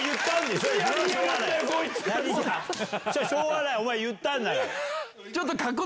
しょうがないお前言ったんだから。